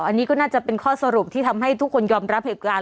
อันนี้ก็น่าจะเป็นข้อสรุปที่ทำให้ทุกคนยอมรับเหตุการณ์